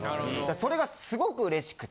それがすごく嬉しくて。